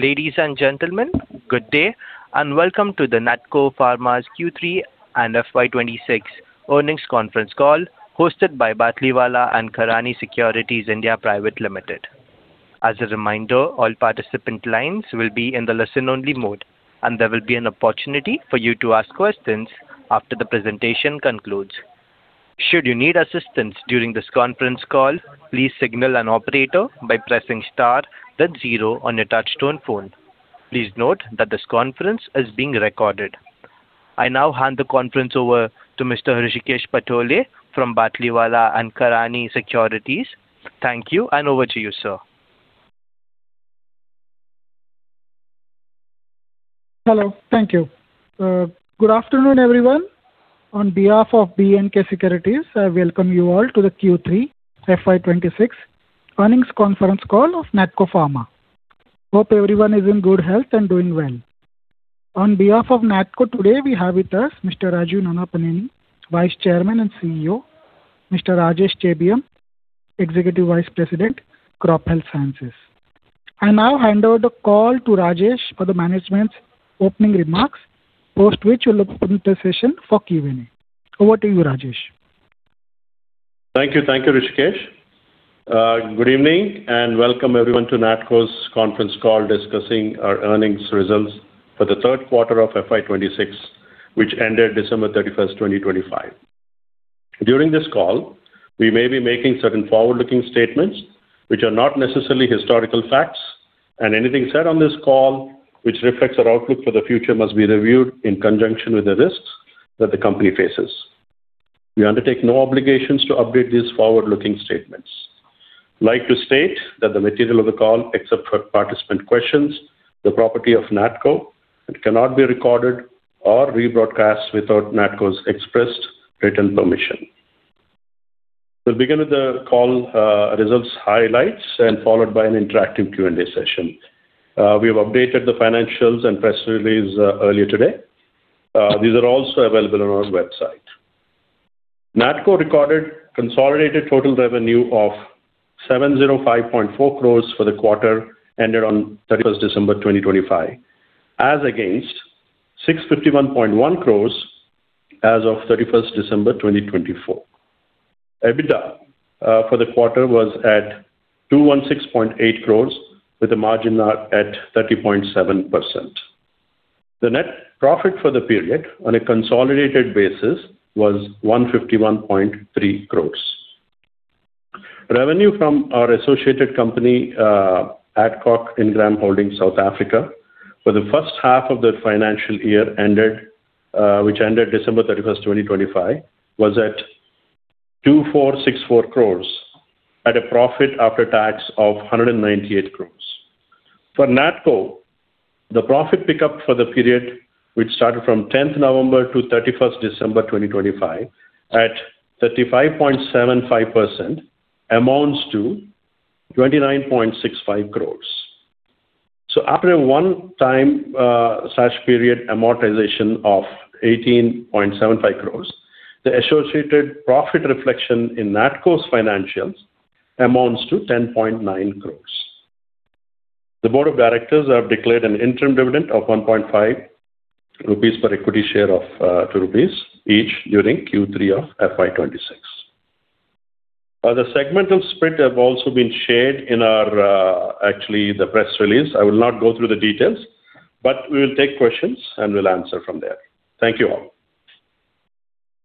Ladies and gentlemen, good day, and welcome to the Natco Pharma's Q3 and FY 26 earnings conference call, hosted by Batlivala & Karani Securities India Pvt. Ltd. As a reminder, all participant lines will be in the listen-only mode, and there will be an opportunity for you to ask questions after the presentation concludes. Should you need assistance during this conference call, please signal an operator by pressing star then zero on your touchtone phone. Please note that this conference is being recorded. I now hand the conference over to Mr. Hrishikesh Patole from Batlivala & Karani Securities. Thank you, and over to you, sir. Hello. Thank you. Good afternoon, everyone. On behalf of B&K Securities, I welcome you all to the Q3 FY 2026 earnings conference call of Natco Pharma. Hope everyone is in good health and doing well. On behalf of Natco, today we have with us Mr. Rajeev Nannapaneni, Vice Chairman and CEO, Mr. Rajesh Chebiyam, Executive Vice President, Crop Health Sciences. I now hand over the call to Rajesh for the management's opening remarks, post which we'll open the session for Q&A. Over to you, Rajesh. Thank you. Thank you, Hrishikesh. Good evening, and welcome everyone to Natco's conference call discussing our earnings results for the third quarter of FY 2026, which ended December 31st, 2025. During this call, we may be making certain forward-looking statements which are not necessarily historical facts, and anything said on this call which reflects our outlook for the future must be reviewed in conjunction with the risks that the company faces. We undertake no obligations to update these forward-looking statements. I'd like to state that the material of the call, except for participant questions, is the property of Natco and cannot be recorded or rebroadcast without Natco's expressed written permission. We'll begin with the call results highlights and followed by an interactive Q&A session. We have updated the financials and press release earlier today. These are also available on our website. Natco recorded consolidated total revenue of 705.4 crore for the quarter ended on 31st December, 2025, as against 651.1 crore as of 31st December, 2024. EBITDA for the quarter was at 216.8 crore, with a margin at 30.7%. The net profit for the period on a consolidated basis was 151.3 crore. Revenue from our associated company, Adcock Ingram Holdings, South Africa, for the first half of the financial year ended, which ended December 31st, 2025, was at 2,464 crore, at a profit after tax of 198 crore. For Natco, the profit pickup for the period, which started from 10 November to 31 December, 2025, at 35.75%, amounts to 29.65 crore. After a one-time, such period amortization of 18.75 crores, the associated profit reflection in Natco's financials amounts to 10.9 crores. The board of directors have declared an interim dividend of 1.5 rupees per equity share of 2 rupees each during Q3 of FY 2026. The segmental split have also been shared in our, actually, the press release. I will not go through the details, but we will take questions and we'll answer from there. Thank you all.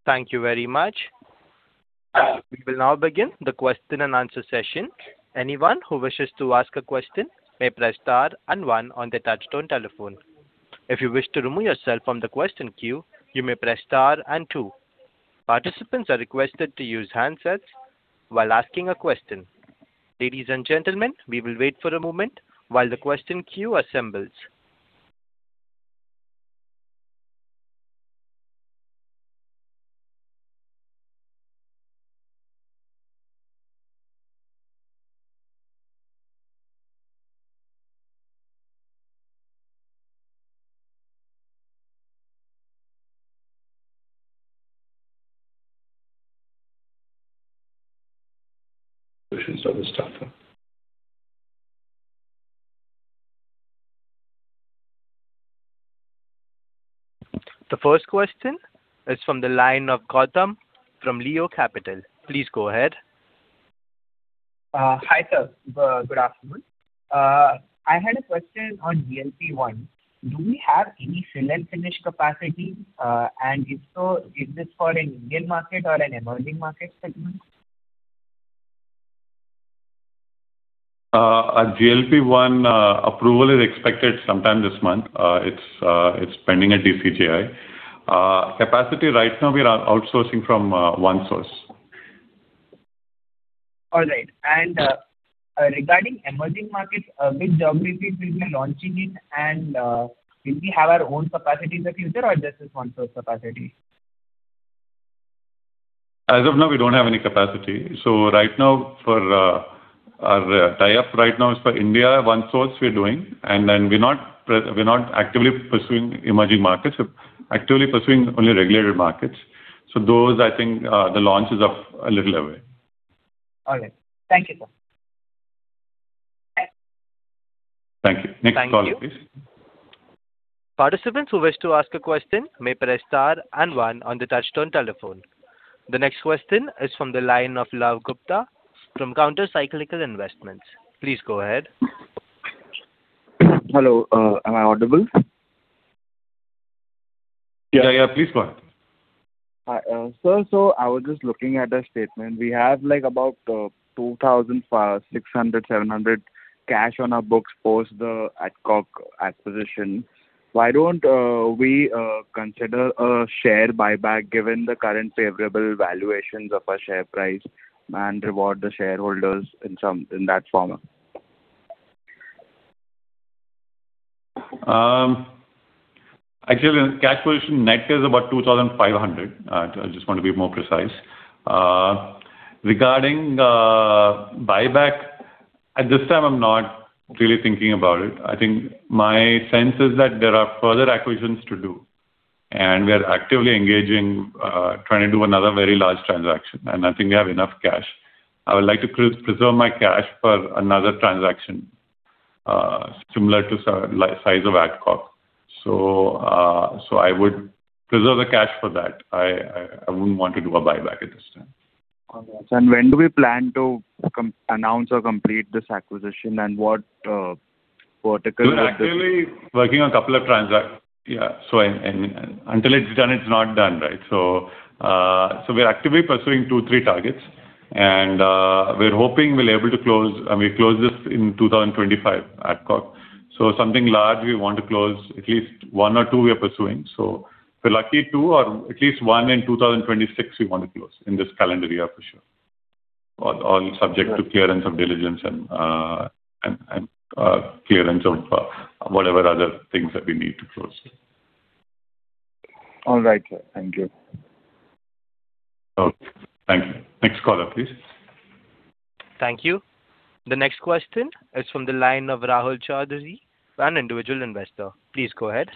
Thank you very much. We will now begin the question and answer session. Anyone who wishes to ask a question may press star and one ron their touchtone telephone. If you wish to remove yourself from the question queue, you may press star and one. Participants are requested to use handsets while asking a question. Ladies and gentlemen, we will wait for a moment while the question queue assembles. Questions are starting. The first question is from the line of Gautam from Leo Capital. Please go ahead. Hi, sir. Good afternoon. I had a question on GLP-1. Do we have any fill-and-finish capacity? And if so, is this for an Indian market or an emerging market segment? Our GLP-1 approval is expected sometime this month. It's pending at DCGI. Capacity right now, we are outsourcing from one source. All right. Regarding emerging markets, which geography will be launching it, and will we have our own capacity in the future, or just this one source capacity? As of now, we don't have any capacity. So right now, for our tie-up right now is for India, one source we're doing, and then we're not actively pursuing emerging markets. We're actively pursuing only regulated markets. So those, I think, the launch is a little away. All right. Thank you, sir. Thank you. Next call, please. Thank you. Participants who wish to ask a question may press star and one on the touchtone telephone. The next question is from the line of Love Gupta from Counter Cyclical Investments. Please go ahead. Hello, am I audible? Yeah. Yeah, please go on. Hi, sir, so I was just looking at the statement. We have, like, about 2,500-2,700 cash on our books post the Adcock acquisition. Why don't we consider a share buyback, given the current favorable valuations of our share price, and reward the shareholders in some, in that format? Actually, the cash position net is about 2,500. I just want to be more precise. Regarding buyback, at this time, I'm not really thinking about it. I think my sense is that there are further acquisitions to do, and we are actively engaging, trying to do another very large transaction, and I think we have enough cash. I would like to preserve my cash for another transaction, similar to, like, size of Adcock. So I would preserve the cash for that. I wouldn't want to do a buyback at this time. Okay. And when do we plan to commence, announce, or complete this acquisition, and what vertical- We're actively working on a couple of transactions. Yeah, so until it's done, it's not done, right? So, we are actively pursuing two, three targets, and we're hoping we'll be able to close. We close this in 2025, Adcock. So something large, we want to close. At least one or two we are pursuing. So if we're lucky, two or at least one in 2026, we want to close in this calendar year for sure. On subject to clearance of diligence and clearance of whatever other things that we need to close. All right, sir. Thank you. Okay, thank you. Next caller, please. Thank you. The next question is from the line of Rahul Chaudhary, an individual investor. Please go ahead.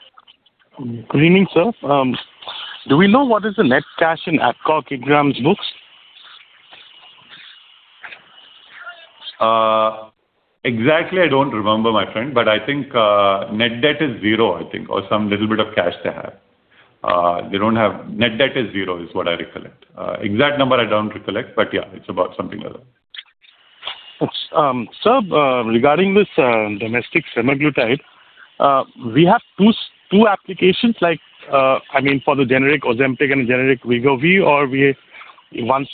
Good evening, sir. Do we know what is the net cash in Adcock Ingram's books? Exactly, I don't remember, my friend, but I think net debt is zero, I think, or some little bit of cash they have. They don't have. Net debt is zero, is what I recollect. Exact number I don't recollect, but, yeah, it's about something like that. Thanks. Sir, regarding this, domestic semaglutide, we have two applications like, I mean, for the generic Ozempic and generic Wegovy, or we once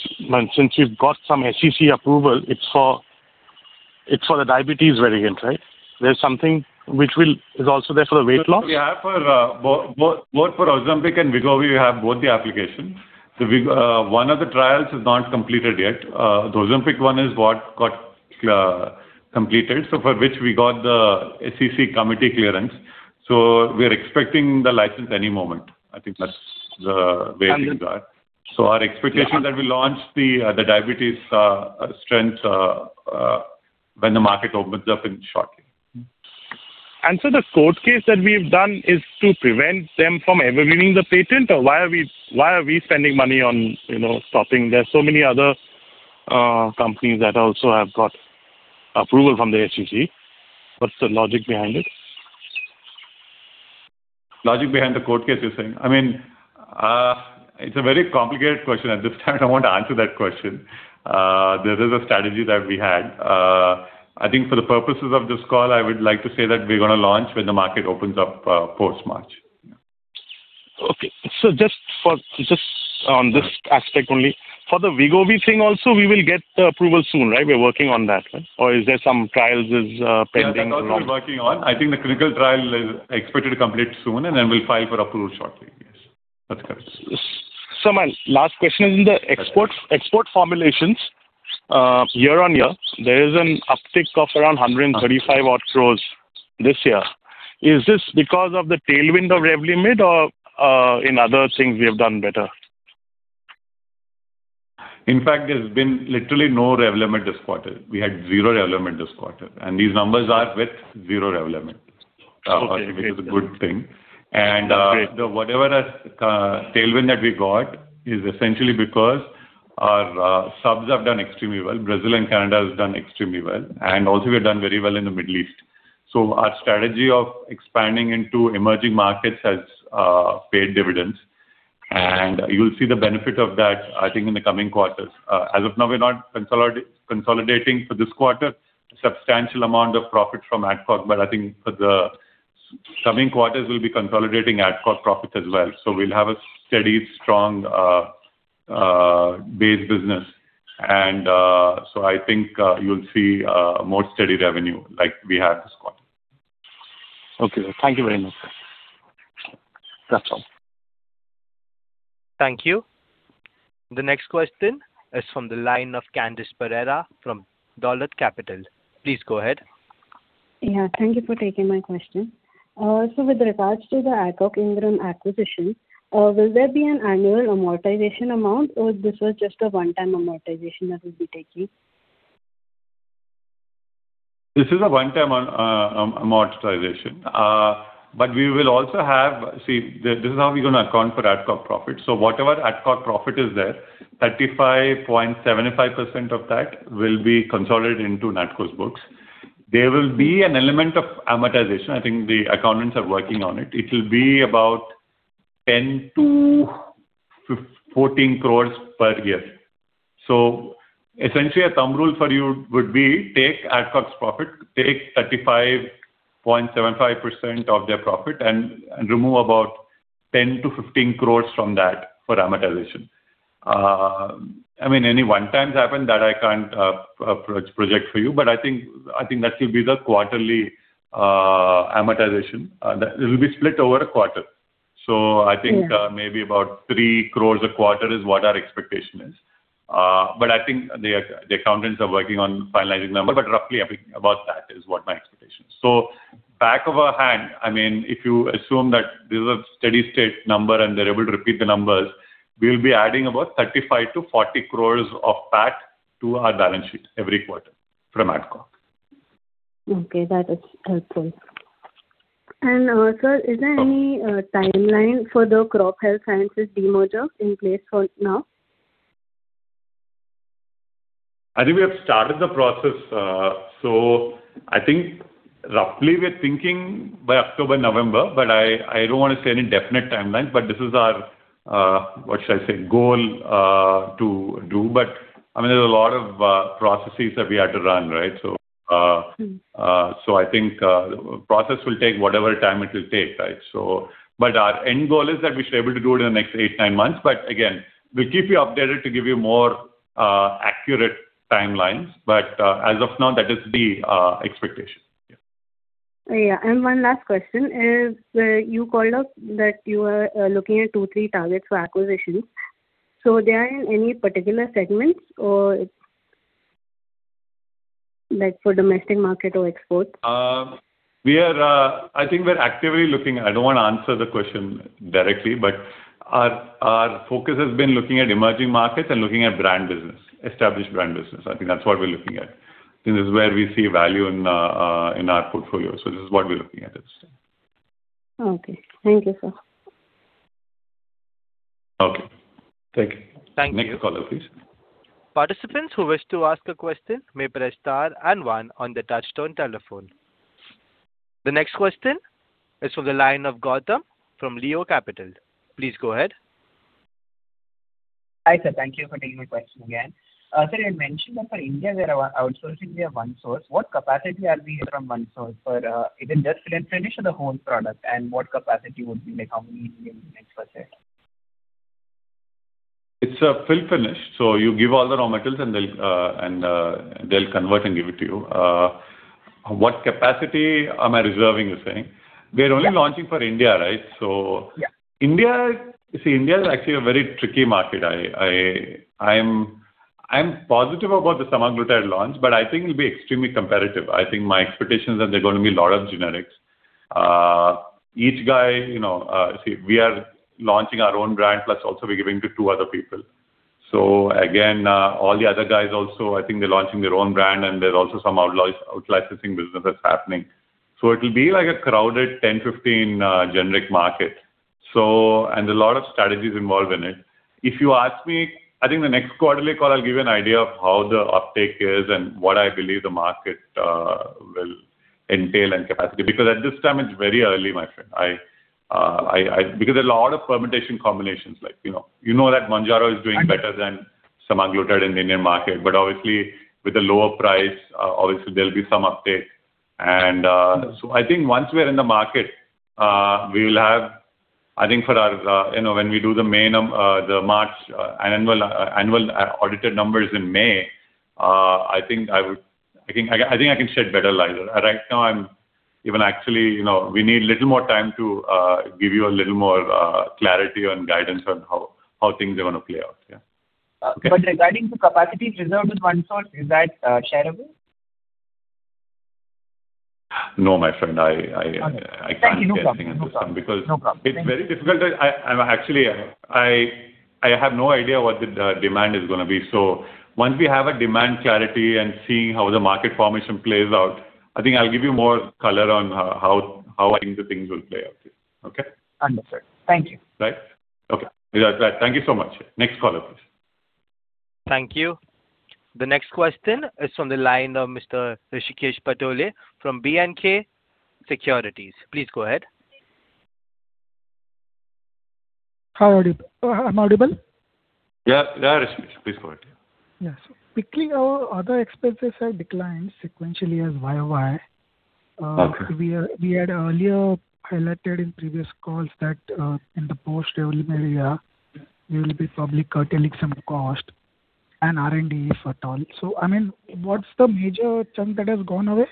since you've got some SEC approval, it's for the diabetes variant, right? There's something which is also there for the weight loss? We have for both for Ozempic and Wegovy, we have both the applications. The V one of the trials is not completed yet. The Ozempic one is what got completed, so for which we got the SEC committee clearance. So we are expecting the license any moment. I think that's the way things are. And then- Our expectation that we launch the diabetes strength when the market opens up shortly. So the court case that we've done is to prevent them from ever winning the patent, or why are we, why are we spending money on, you know, stopping? There are so many other companies that also have got approval from the SEC. What's the logic behind it? Logic behind the court case, you're saying? I mean, it's a very complicated question. At this time, I want to answer that question. There is a strategy that we had. I think for the purposes of this call, I would like to say that we're gonna launch when the market opens up, post-March. Okay. So just for, just on this aspect only, for the Wegovy thing also, we will get the approval soon, right? We're working on that, right? Or is there some trials is pending along? Yeah, that also we're working on. I think the clinical trial is expected to complete soon, and then we'll file for approval shortly. Yes, that's correct. So my last question is in the export formulations, year-on-year, there is an uptick of around 135 crore this year. Is this because of the tailwind of Revlimid or, in other things we have done better? In fact, there's been literally no Revlimid this quarter. We had 0 Revlimid this quarter, and these numbers are with 0 Revlimid. Okay, great. Which is a good thing. That's great. The tailwind that we got is essentially because our subs have done extremely well. Brazil and Canada has done extremely well, and also we've done very well in the Middle East. So our strategy of expanding into emerging markets has paid dividends, and you'll see the benefit of that, I think, in the coming quarters. As of now, we're not consolidating for this quarter a substantial amount of profit from Adcock, but I think for the coming quarters, we'll be consolidating Adcock profit as well. So we'll have a steady, strong base business, and so I think you'll see more steady revenue like we had this quarter. Okay. Thank you very much, sir. That's all. Thank you. The next question is from the line of Candice Pereira from Dolat Capital. Please go ahead. Yeah, thank you for taking my question. So with regards to the Adcock Ingram acquisition, will there be an annual amortization amount, or this was just a one-time amortization that we'll be taking? This is a one-time amortization. But we will also have, see, this is how we're going to account for Adcock profit. So whatever Adcock profit is there, 35.75% of that will be consolidated into Natco's books. There will be an element of amortization. I think the accountants are working on it. It will be about 10 crore-14 crore per year. So essentially, a thumb rule for you would be take Adcock's profit, take 35.75% of their profit and, and remove about 10 crore-15 crore from that for amortization. I mean, any one times happen that I can't project for you, but I think, I think that will be the quarterly amortization. That it will be split over a quarter. So I think-, Yeah. Maybe about 3 crore a quarter is what our expectation is. But I think the accountants are working on finalizing numbers, but roughly about that is what my expectation is. So back of our hand, I mean, if you assume that this is a steady state number and they're able to repeat the numbers, we'll be adding about 35 crore-40 crore of PAT to our balance sheet every quarter from Adcock. Okay, that is helpful. Sir, is there any timeline for the Crop Health Sciences demerger in place for now? I think we have started the process, so I think roughly we're thinking by October, November, but I, I don't want to say any definite timeline, but this is our, what should I say, goal, to do. But I mean, there's a lot of, processes that we had to run, right? So, Mm. So I think, process will take whatever time it will take, right? So, but our end goal is that we should be able to do it in the next eight, nine months. But again, we'll keep you updated to give you more, accurate timelines. But, as of now, that is the, expectation. Yeah. Yeah. One last question is, you called out that you are looking at two targets, three targets for acquisition. So they are in any particular segments or like for domestic market or export? We are. I think we're actively looking. I don't want to answer the question directly, but our focus has been looking at emerging markets and looking at brand business, established brand business. I think that's what we're looking at. This is where we see value in our portfolio. So this is what we're looking at this time. Okay. Thank you, sir. Okay. Thank you. Thank you. Next caller, please. Participants who wish to ask a question may press star and one on their touch-tone telephone. The next question is from the line of Gautam from Leo Capital. Please go ahead. Hi, sir. Thank you for taking my question again. Sir, you had mentioned that for India, we are outsourcing via OneSource. What capacity are we from OneSource for, even just fill and finish or the whole product, and what capacity would be, like, how many millions units per year? It's a fill and finish. So you give all the raw materials, and they'll convert and give it to you. What capacity am I reserving, you're saying? We are only launching for India, right? Yeah. India, you see, India is actually a very tricky market. I'm positive about the semaglutide launch, but I think it'll be extremely competitive. I think my expectations are there are going to be a lot of generics. Each guy, you know, see, we are launching our own brand, plus also we're giving to two other people. So again, all the other guys also, I think they're launching their own brand, and there's also some out-licensing business that's happening. So it will be like a crowded 10 generic market, 15 generic market. And a lot of strategies involved in it. If you ask me, I think the next quarterly call, I'll give you an idea of how the uptake is and what I believe the market will entail and capacity, because at this time, it's very early, my friend. I. Because there's a lot of permutation combinations, like, you know. You know that Mounjaro is doing better than semaglutide in the Indian market, but obviously, with a lower price, obviously, there'll be some uptake. And, so I think once we are in the market, we will have, I think for our, you know, when we do the management, the March annual audited numbers in May, I think I would, I think, I think I can shed better light. Right now, I'm even actually, you know, we need a little more time to give you a little more clarity and guidance on how, how things are going to play out. Yeah. Okay. Regarding the capacity reserved with OneSource, is that shareable? No, my friend, I Thank you. No problem. Can't share anything at this time. No problem. It's very difficult. I'm actually, I have no idea what the demand is going to be. So once we have a demand clarity and seeing how the market formation plays out, I think I'll give you more color on how I think the things will play out. Okay? Understood. Thank you. Right. Okay. Thank you so much. Next caller, please. Thank you. The next question is from the line of Mr. Hrishikesh Patole from B&K Securities. Please go ahead. Hi, are you. I'm audible? Yeah, yeah, Hrishikesh, please go ahead. Yes. Quickly, our other expenses have declined sequentially as YoY. Okay. We are, we had earlier highlighted in previous calls that, in the post-revenue area, we will be probably curtailing some cost and R&D, if at all. So, I mean, what's the major chunk that has gone away?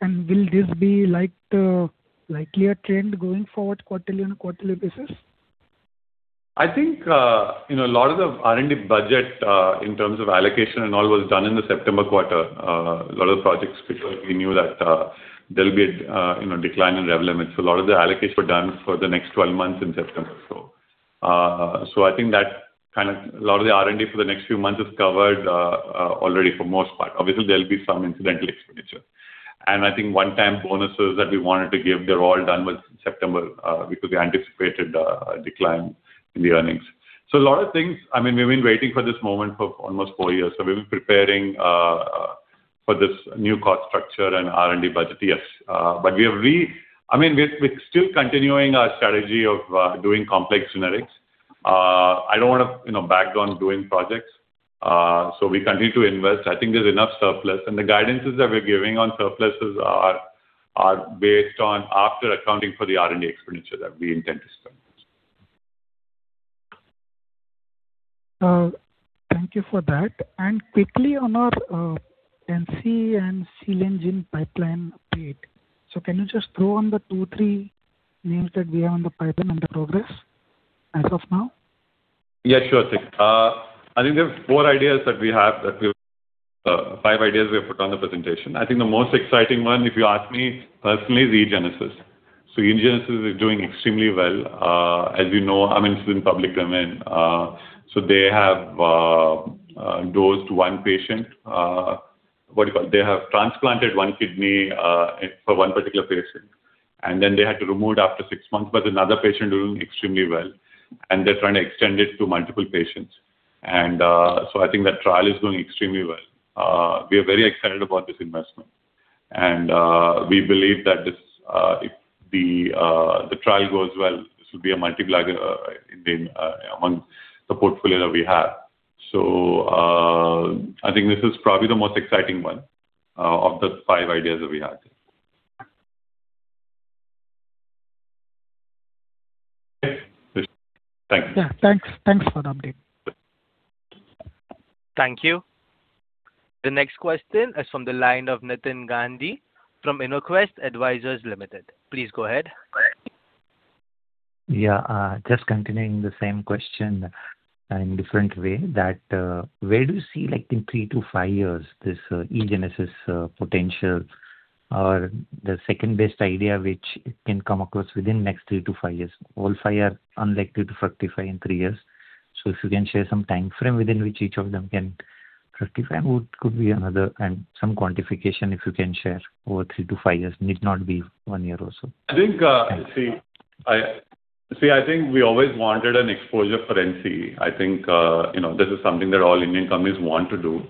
And will this be like the likelier trend going forward, quarterly on a quarterly basis? I think, you know, a lot of the R&D budget, in terms of allocation and all, was done in the September quarter. A lot of the projects, because we knew that, there'll be a, you know, decline in Revlimid's. So a lot of the allocations were done for the next 12 months in September, so. So I think that kind of a lot of the R&D for the next few months is covered, already for most part. Obviously, there'll be some incidental expenditure. And I think one-time bonuses that we wanted to give, they're all done with September, because we anticipated a, a decline in the earnings. So a lot of things. I mean, we've been waiting for this moment for almost four years, so we've been preparing, for this new cost structure and R&D budget. Yes. But we have, I mean, we're still continuing our strategy of doing complex generics. I don't want to, you know, back down doing projects, so we continue to invest. I think there's enough surplus, and the guidances that we're giving on surpluses are based on after accounting for the R&D expenditure that we intend to spend. Thank you for that. Quickly on our NCE and Cell & Gene pipeline update. Can you just throw on the two names, three names that we have on the pipeline and the progress as of now? Yeah, sure, Tik. I think there are four ideas that we have, five ideas we have put on the presentation. I think the most exciting one, if you ask me personally, is eGenesis. So eGenesis is doing extremely well. As you know, I mean, it's in public domain. So they have dosed one patient. What do you call? They have transplanted one kidney for one particular patient, and then they had to remove it after six months, but another patient doing extremely well, and they're trying to extend it to multiple patients. And so I think that trial is going extremely well. We are very excited about this investment, and we believe that this, if the trial goes well, this will be a multiplier on the portfolio that we have. I think this is probably the most exciting one of the five ideas that we have. Thanks. Yeah, thanks. Thanks for the update. Thank you. The next question is from the line of Nitin Gandhi from Innoquest Advisors Limited. Please go ahead. Yeah, just continuing the same question in different way that, where do you see, like in three to five years, this, eGenesis, potential or the second-best idea, which can come across within next three to five years? All five are unlikely to fructify in three years. So if you can share some time frame within which each of them can fructify, and what could be another, and some quantification, if you can share, over three to five years. Need not be one year or so. I think we always wanted an exposure for NCE. I think, you know, this is something that all Indian companies want to do,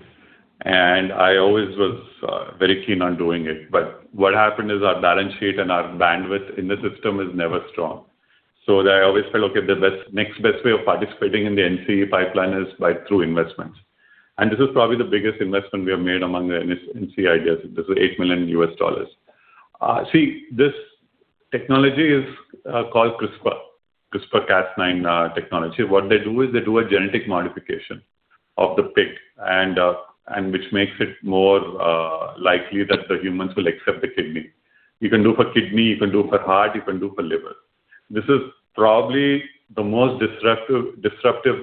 and I always was very keen on doing it. But what happened is our balance sheet and our bandwidth in the system is never strong. So I always feel, okay, the best, next best way of participating in the NCE pipeline is by through investments. And this is probably the biggest investment we have made among the NCE ideas. This is $8 million. See, this technology is called CRISPR-Cas9 technology. What they do is they do a genetic modification of the pig, and which makes it more likely that the humans will accept the kidney. You can do for kidney, you can do for heart, you can do for liver. This is probably the most disruptive, disruptive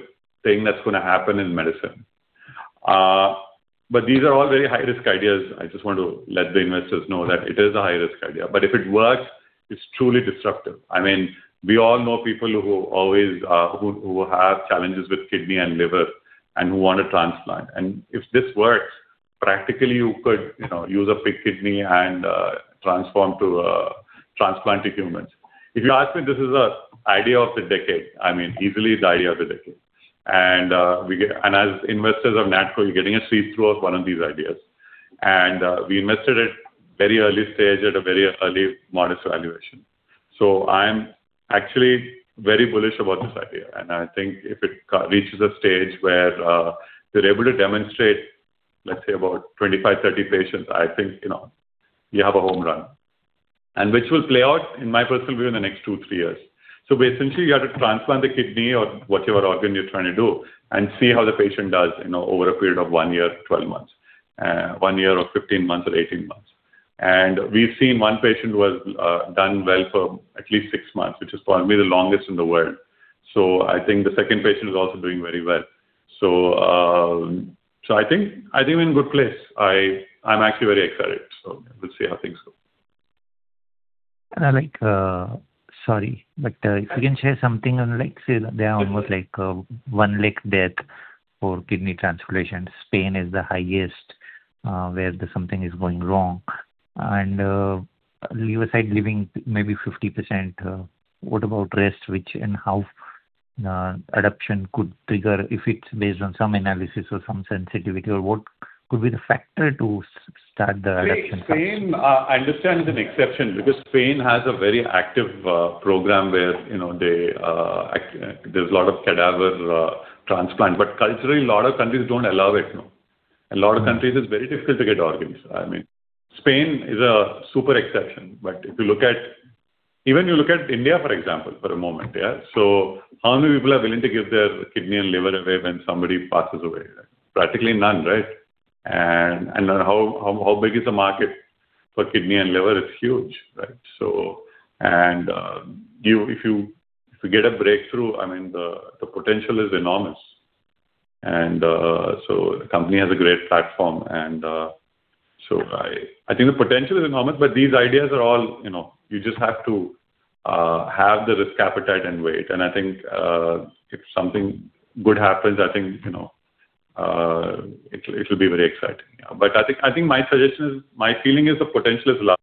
thing that's gonna happen in medicine. But these are all very high-risk ideas. I just want to let the investors know that it is a high-risk idea, but if it works, it's truly disruptive. I mean, we all know people who always have challenges with kidney and liver and who want a transplant. And if this works, practically, you could, you know, use a pig kidney and transform to transplant to humans. If you ask me, this is a idea of the decade. I mean, easily the idea of the decade. And we get and as investors of Natco, you're getting a seat through of one of these ideas. We invested at a very early stage, at a very early modest valuation. So I'm actually very bullish about this idea, and I think if it reaches a stage where they're able to demonstrate, let's say, about 25-30 patients, I think, you know, you have a home run, and which will play out, in my personal view, in the next two to three years. So basically, you have to transplant the kidney or whichever organ you're trying to do and see how the patient does, you know, over a period of one year, 12 months, one year or 15 months or 18 months. And we've seen one patient who has done well for at least six months, which is probably the longest in the world. So I think the second patient is also doing very well. So, I think we're in good place. I'm actually very excited, so we'll see how things go. Like, sorry, but if you can share something on, like, say, there are almost 100,000 deaths for kidney transplantation. Spain is the highest where something is going wrong, and you aside leaving maybe 50%, what about the rest, which and how adoption could trigger if it's based on some analysis or some sensitivity, or what could be the factor to start the adoption? Spain, I understand, is an exception because Spain has a very active program where, you know, they. There's a lot of cadaver transplant, but culturally, a lot of countries don't allow it, you know. A lot of countries, it's very difficult to get organs. I mean, Spain is a super exception. But if you look at. Even you look at India, for example, for a moment, yeah? So how many people are willing to give their kidney and liver away when somebody passes away? Practically none, right? And how big is the market for kidney and liver? It's huge, right? So, and if you get a breakthrough, I mean, the potential is enormous. So the company has a great platform, and so I think the potential is enormous, but these ideas are all, you know, you just have to have the risk appetite and wait. I think if something good happens, I think you know it will be very exciting. But I think my suggestion is, my feeling is the potential is large,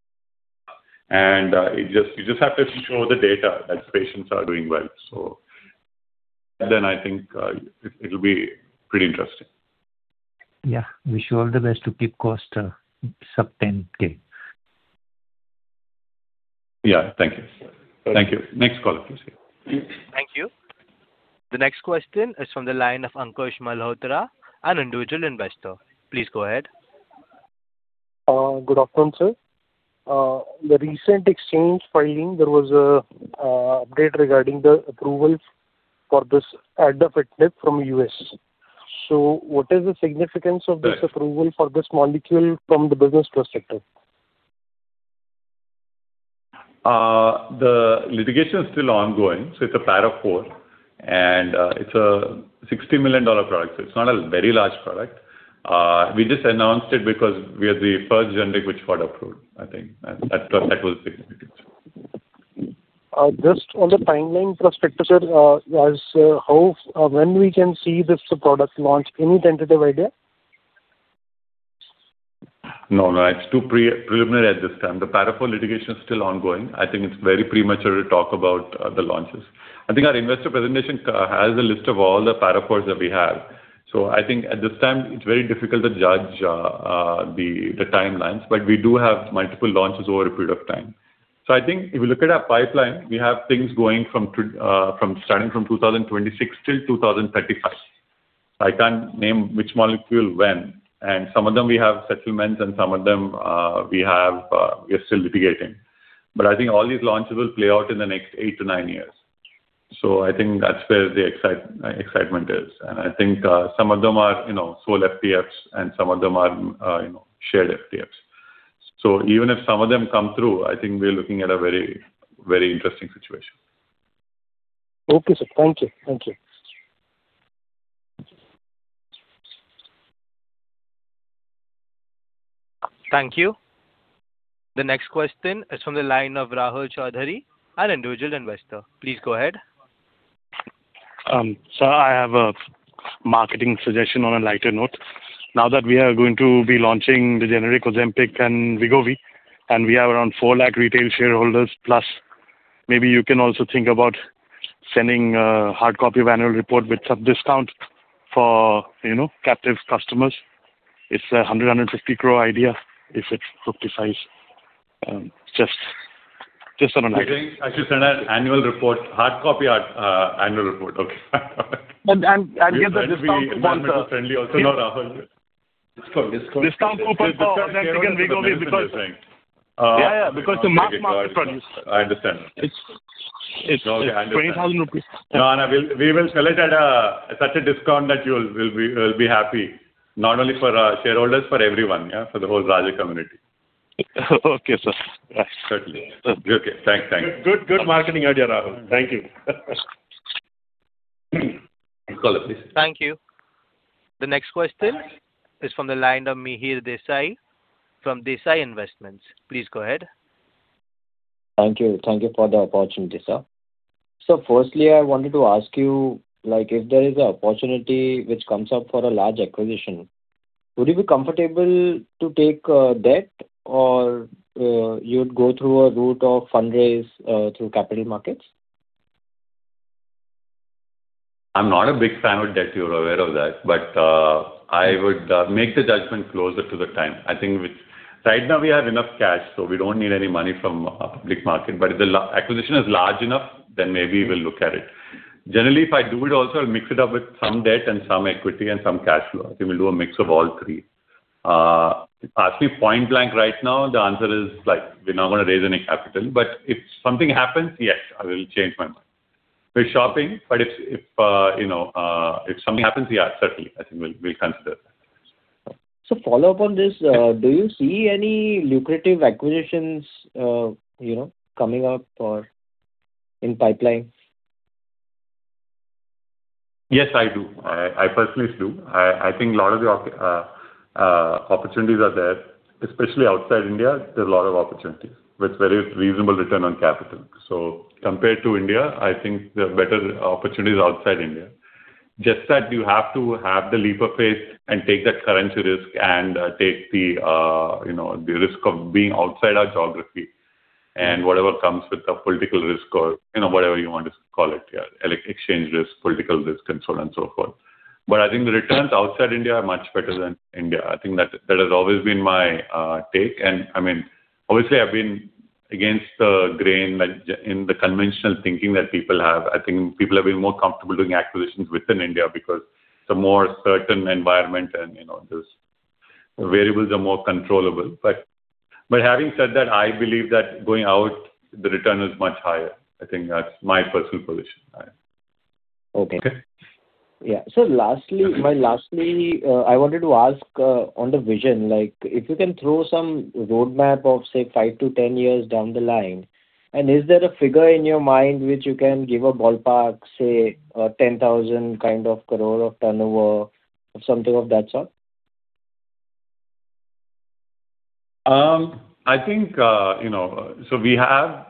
and it just, you just have to show the data that patients are doing well. So then I think it will be pretty interesting. Yeah. Wish you all the best to keep cost sub-$10K. Yeah, thank you. Thank you. Next caller, please. Thank you. The next question is from the line of Ankush Malhotra, an individual investor. Please go ahead. Good afternoon, sir. The recent exchange filing, there was a update regarding the approval for this Afatinib from U.S. So what is the significance of this approval for this molecule from the business perspective? The litigation is still ongoing, so it's a Para IV, and it's a $60 million product, so it's not a very large product. We just announced it because we are the first generic which got approved, I think, and that was significant. Just on the timeline perspective, sir, as how or when we can see this product launch? Any tentative idea? No, no, it's too preliminary at this time. The Para IV litigation is still ongoing. I think it's very premature to talk about the launches. I think our investor presentation has a list of all the Para IVs that we have. So I think at this time, it's very difficult to judge the timelines, but we do have multiple launches over a period of time. So I think if you look at our pipeline, we have things going from starting from 2026 till 2035. I can't name which molecule when, and some of them we have settlements and some of them we are still litigating. But I think all these launches will play out in the next eigh to nine years. So I think that's where the excitement is. I think, some of them are, you know, sole FTFs and some of them are, you know, shared FTFs. So even if some of them come through, I think we're looking at a very, very interesting situation. Okay, sir. Thank you. Thank you. Thank you. The next question is from the line of Rahul Chaudhary, an individual investor. Please go ahead. Sir, I have a marketing suggestion on a lighter note. Now that we are going to be launching the generic Ozempic and Wegovy, and we have around 400,000 retail shareholders, plus maybe you can also think about sending a hard copy of annual report with some discount for, you know, captive customers. It's a 150 crore idea, if it's fifty size. Just, just on an idea. You think I should send an annual report, hard copy, annual report? Okay. And get the discount- We want to be environmental friendly also, no, Rahul? Discount. Discount coupon for Ozempic and Wegovy because- Interesting. Yeah, yeah, because the mass market products. I understand. It's 20,000 rupees. No, no, we'll sell it at such a discount that you'll be happy, not only for our shareholders, for everyone, yeah, for the whole Raja community. Okay, sir. Certainly. Okay. Thanks. Thank you. Good, good marketing idea, Rahul. Thank you. Next caller, please. Thank you. The next question is from the line of Mihir Desai, from Desai Investments. Please go ahead. Thank you. Thank you for the opportunity, sir. So firstly, I wanted to ask you, like, if there is an opportunity which comes up for a large acquisition, would you be comfortable to take debt or you'd go through a route of fundraise through capital markets? I'm not a big fan of debt, you're aware of that, but I would make the judgment closer to the time. I think right now we have enough cash, so we don't need any money from a public market, but if the large acquisition is large enough, then maybe we'll look at it. Generally, if I do it also, I'll mix it up with some debt and some equity and some cash flow. I think we'll do a mix of all three. If you ask me point blank right now, the answer is like, we're not going to raise any capital, but if something happens, yes, I will change my mind. We're shopping, but if something happens, you know, yeah, certainly, I think we'll consider that. Follow up on this, do you see any lucrative acquisitions, you know, coming up or in pipeline? Yes, I do. I personally do. I think a lot of the opportunities are there, especially outside India, there's a lot of opportunities with very reasonable return on capital. So compared to India, I think there are better opportunities outside India. Just that you have to have the leap of faith and take that currency risk and take the, you know, the risk of being outside our geography and whatever comes with the political risk or, you know, whatever you want to call it, yeah, exchange risk, political risk, control, and so forth. But I think the returns outside India are much better than India. I think that has always been my take, and I mean, obviously, I've been against the grain that, in the conventional thinking that people have. I think people have been more comfortable doing acquisitions within India because it's a more certain environment and, you know, those variables are more controllable. But having said that, I believe that going out, the return is much higher. I think that's my personal position. Okay. Okay? Yeah. So lastly, my lastly, I wanted to ask, on the vision, like if you can throw some roadmap of, say, 5-10 years down the line, and is there a figure in your mind which you can give a ballpark, say, a 10,000 crore kind of turnover or something of that sort? I think, you know, so we have,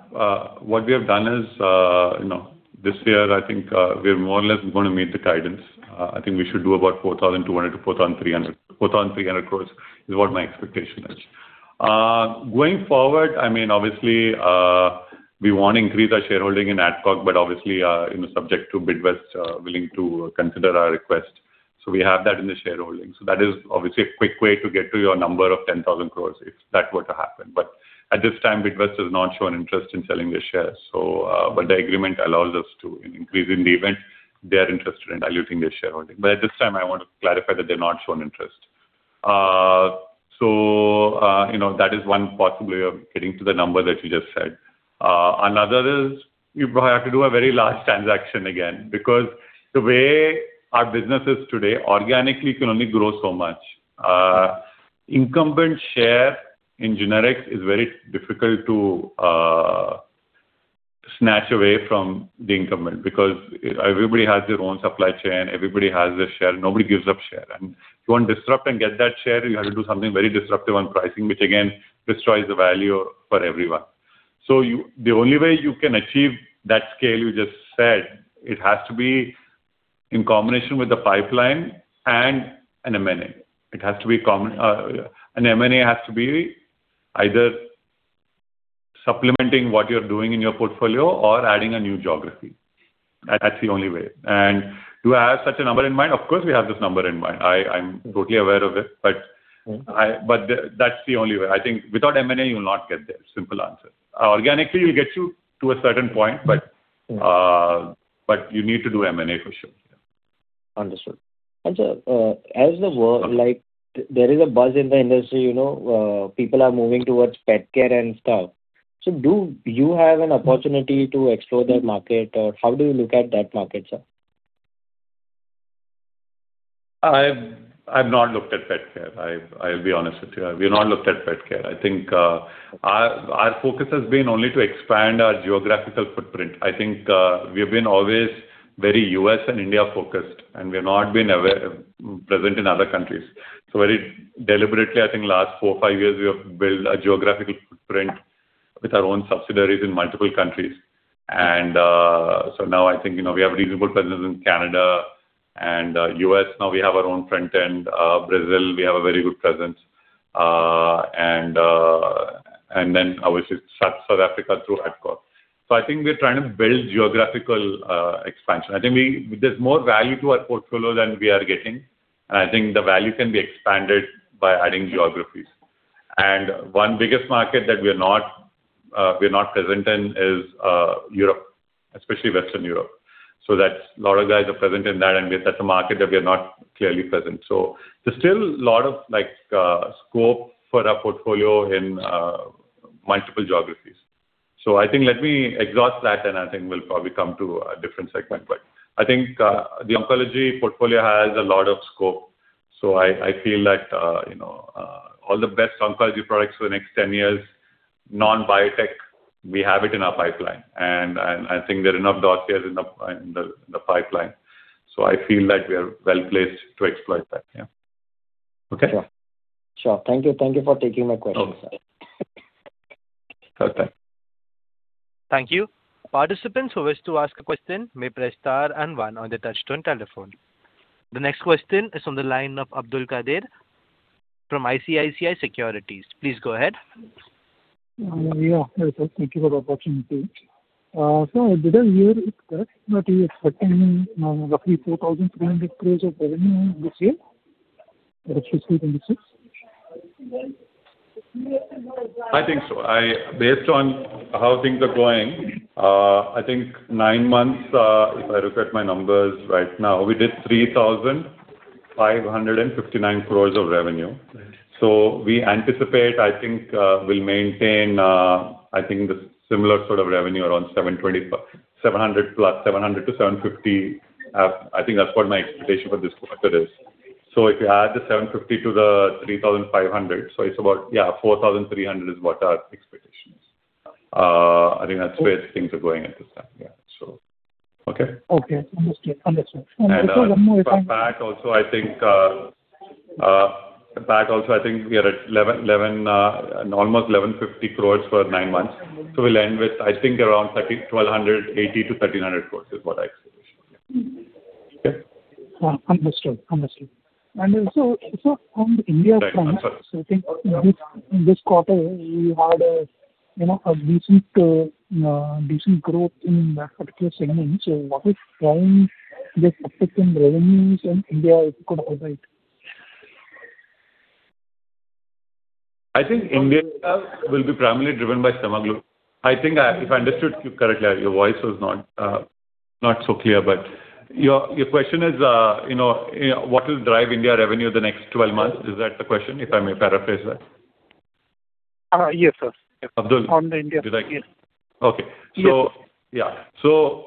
what we have done is, you know, this year, I think, we're more or less going to meet the guidance. I think we should do about 4,200 crore-4,300 crore. 4,300 crore is what my expectation is. Going forward, I mean, obviously, we want to increase our shareholding in Adcock, but obviously, you know, subject to Bidvest willing to consider our request. So we have that in the shareholding. So that is obviously a quick way to get to your number of 10,000 crore, if that were to happen. But at this time, Bidvest has not shown interest in selling their shares. So, but the agreement allows us to increase in the event they are interested in diluting their shareholding. At this time, I want to clarify that they've not shown interest. So, you know, that is one possible way of getting to the number that you just said. Another is you probably have to do a very large transaction again, because the way our business is today, organically can only grow so much. Incumbent share in generics is very difficult to snatch away from the incumbent because everybody has their own supply chain, everybody has their share, nobody gives up share. And if you want to disrupt and get that share, you have to do something very disruptive on pricing, which again, destroys the value for everyone. So you, the only way you can achieve that scale you just said, it has to be in combination with the pipeline and an M&A. It has to be com. An M&A has to be either supplementing what you're doing in your portfolio or adding a new geography. That's the only way. Do I have such a number in mind? Of course, we have this number in mind. I'm totally aware of it, but I. But that's the only way. I think without M&A, you will not get there. Simple answer. Organically, will get you to a certain point, but, but you need to do M&A for sure. Understood. And, sir, as the world, like, there is a buzz in the industry, you know, people are moving towards pet care and stuff. So do you have an opportunity to explore that market, or how do you look at that market, sir? I've not looked at pet care. I'll be honest with you, I've not looked at pet care. I think our focus has been only to expand our geographical footprint. I think we have been always very U.S. and India-focused, and we have not been aware, present in other countries. So very deliberately, I think last four or five years, we have built a geographical footprint with our own subsidiaries in multiple countries. So now I think, you know, we have a reasonable presence in Canada and U.S., now we have our own front end, Brazil, we have a very good presence, and then, obviously, South Africa through Adcock. So I think we're trying to build geographical expansion. I think we. There's more value to our portfolio than we are getting, and I think the value can be expanded by adding geographies. One biggest market that we are not, we're not present in is, Europe, especially Western Europe. So that's a lot of guys are present in that, and that's a market that we are not clearly present. So there's still a lot of, like, scope for our portfolio in, multiple geographies. So I think let me exhaust that, then I think we'll probably come to a different segment. But I think, the oncology portfolio has a lot of scope, so I, I feel like, you know, all the best oncology products for the next 10 years, non-biotech, we have it in our pipeline, and, and I think there are enough doctors in the, in the, the pipeline. I feel like we are well-placed to exploit that. Yeah. Okay? Sure. Thank you. Thank you for taking my question, sir. Okay. Thank you. Participants who wish to ask a question may press star and one on their touchtone telephone. The next question is on the line of Abdul Qadir from ICICI Securities. Please go ahead. Yeah, thank you for the opportunity. So did I hear that you're expecting roughly 4,300 crore of revenue this year? Or actually 2026? I think so. Based on how things are going, I think nine months, if I look at my numbers right now, we did 3,559 crore of revenue. Right. So we anticipate, I think, we'll maintain, I think, the similar sort of revenue around 720... 700+, 700-750. I think that's what my expectation for this quarter is. So if you add the 750 to the 3,500, so it's about, yeah, 4,300 is what our expectation is. I think that's where things are going at this time. Yeah, so, okay? Okay, understood. Understood. Back also, I think we are at almost 1,150 crore for nine months. So we'll end with, I think, around 1,280-1,300 crore is what I expect. Okay? Understood. Understood. And also, also on the India front- Sorry. I think in this, in this quarter, we had a, you know, a decent growth in that particular segment. So what is driving this particular revenues in India, if you could elaborate? I think India will be primarily driven by semaglutide. I think, if I understood you correctly, your voice was not, not so clear, but your, your question is, you know, what will drive India revenue the next 12 months? Is that the question, if I may paraphrase that? Yes, sir. Abdul- On the India. Did I? Yes. Okay. Yes. Yeah.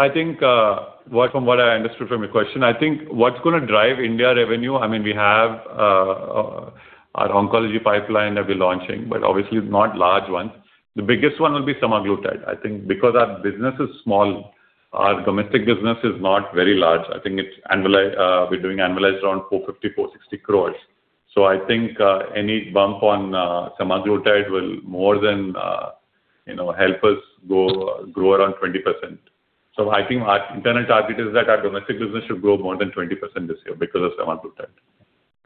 I think, well, from what I understood from your question, I think what's going to drive India revenue, I mean, we have our oncology pipeline that we're launching, but obviously not large ones. The biggest one will be semaglutide, I think, because our business is small. Our domestic business is not very large. I think it's annualized, we're doing annualized around 450-460 crore. So I think any bump on semaglutide will more than, you know, help us grow around 20%. So I think our internal target is that our domestic business should grow more than 20% this year because of semaglutide.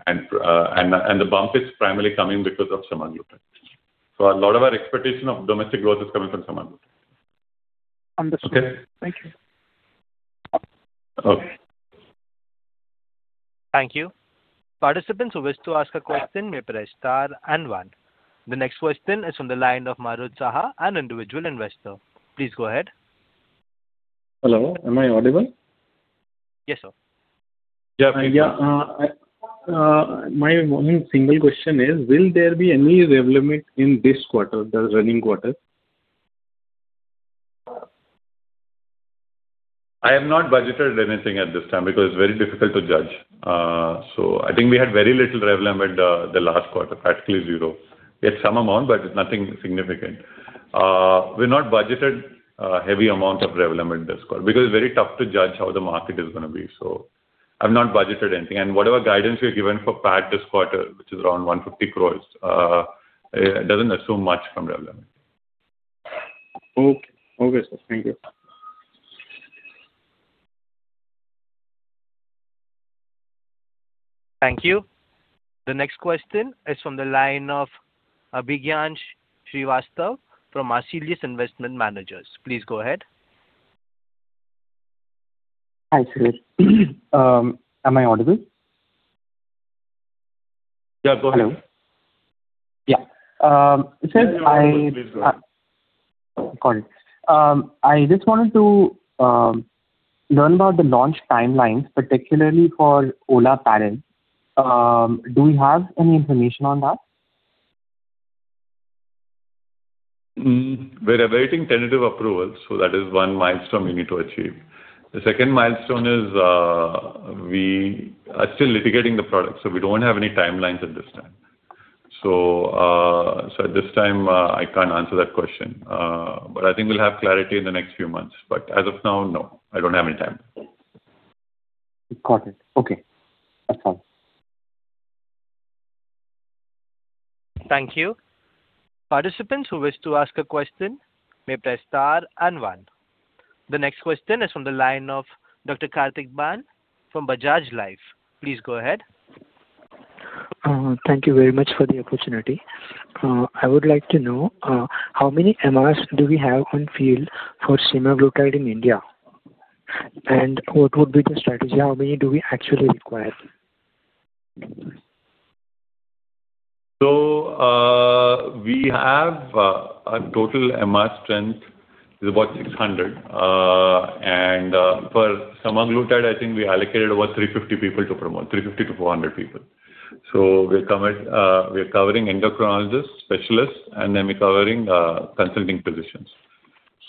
And the bump is primarily coming because of semaglutide. So a lot of our expectation of domestic growth is coming from semaglutide. Understood. Okay? Thank you. Okay. Thank you. Participants who wish to ask a question may press star and one. The next question is from the line of Marut Saha, an individual investor. Please go ahead. Hello, am I audible? Yes, sir. Yeah. Yeah, my one single question is, will there be any Revlimid in this quarter, the running quarter? I have not budgeted anything at this time because it's very difficult to judge. So I think we had very little Revlimid the last quarter, practically zero. We had some amount, but it's nothing significant. We've not budgeted a heavy amount of Revlimid this quarter, because it's very tough to judge how the market is going to be. So I've not budgeted anything. And whatever guidance we have given for PAT this quarter, which is around 150 crores, it doesn't assume much from Revlimid. Okay. Okay, sir. Thank you. Thank you. The next question is from the line of Abhigyan Srivastav from Marcellus Investment Managers. Please go ahead. Hi, Suresh. Am I audible? Yeah, go ahead. Hello. Yeah. Suresh, I- Please go ahead. Got it. I just wanted to learn about the launch timelines, particularly for Olaparib. Do we have any information on that? We're awaiting tentative approval, so that is one milestone we need to achieve. The second milestone is, we are still litigating the product, so we don't have any timelines at this time. So, so at this time, I can't answer that question. But I think we'll have clarity in the next few months. But as of now, no, I don't have any timeline. Got it. Okay, that's all. Thank you. Participants who wish to ask a question, may press star and one. The next question is from the line of Dr. Kartick Bane from Bajaj Life. Please go ahead. Thank you very much for the opportunity. I would like to know, how many MRs do we have on field for Semaglutide in India? And what would be the strategy? How many do we actually require? So, we have a total MR strength is about 600. And for semaglutide, I think we allocated over 350 people to promote, 350-400 people. So we're covering endocrinologists, specialists, and then we're covering consulting physicians.